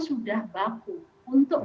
sudah baku untuk